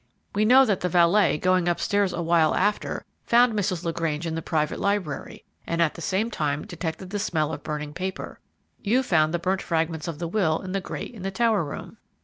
We know that the valet, going up stairs a while after, found Mrs. LaGrange in the private library, and at the same time detected the smell of burning paper. You found the burnt fragments of the will in the grate in the tower room.